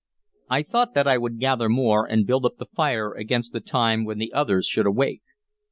I thought that I would gather more, and build up the fire against the time when the others should awake.